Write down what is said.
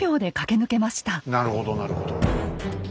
なるほどなるほど。